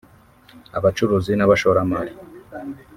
abacuruzi n’abashoramari